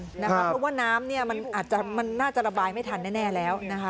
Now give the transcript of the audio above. เพราะว่าน้ำมันอาจจะระบายไม่ทันแน่แล้วนะคะ